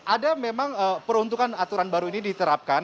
ada memang peruntukan aturan baru ini diterapkan